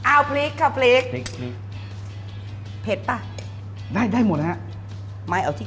อ้าวพริกค่ะพริกพริกนี่เผ็ดป่ะ